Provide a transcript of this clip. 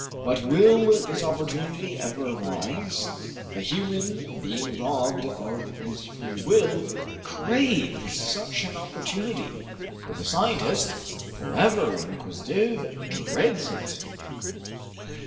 But will this opportunity ever arise? The human being, robbed of his free will, craves such an opportunity; but the scientist, forever inquisitive, dreads it.